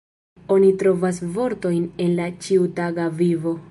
Oni trovas vortojn el la ĉiutaga vivo.